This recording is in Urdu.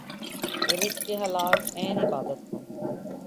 رزق حلال عین عبادت ہے